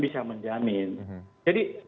bisa menjamin jadi